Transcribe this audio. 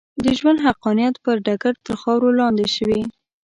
د ژوند حقانیت پر ډګر تر خاورو لاندې شوې.